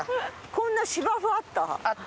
こんな芝生あった？あった。